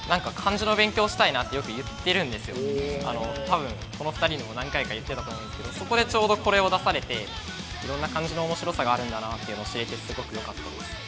最近本当に何か多分この２人にも何回か言ってたと思うんですけどそこでちょうどこれを出されていろんな漢字の面白さがあるんだなっていうのを知れてすごくよかったです。